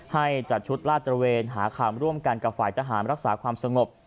ให้จัดชุดลาดตระเวนหาคำร่วมกันกับฝ่ายทหารรักษาความสงบ